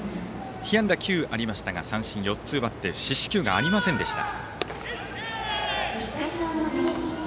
被安打９ありましたが三振４つ奪って四死球がありませんでした。